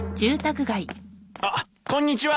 あっこんにちは。